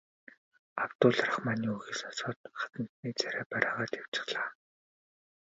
Абдул Рахманы үгийг сонсоод хатантны царай барайгаад явчихлаа.